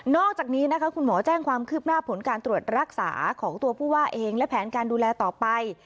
อกจากนี้นะคะคุณหมอแจ้งความคืบหน้าผลการตรวจรักษาของตัวผู้ว่าเองและแผนการดูแลต่อไป